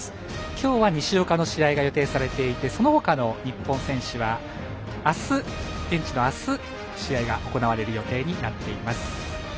今日は西岡の試合が予定されていてそのほかの日本選手は現地の明日、試合が行われる予定になっています。